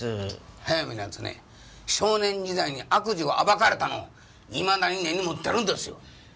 速水の奴ね少年時代に悪事を暴かれたのをいまだに根に持ってるんですよ。